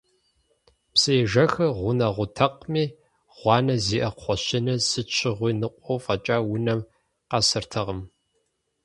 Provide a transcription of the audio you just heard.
Псыежэхыр гъунэгъутэкъыми, гъуанэ зиӀэ кхъуэщыныр сыт щыгъуи ныкъуэу фӀэкӀа унэм къэсыртэкъым.